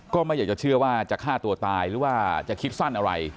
ก็ไม่อยากจะเชื่อว่าจะฆ่าตัวตายหรือว่าจะคิดสั้นอะไร